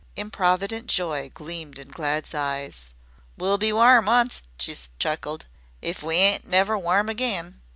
Improvident joy gleamed in Glad's eyes. "We'll be warm onct," she chuckled, "if we ain't never warm agaen."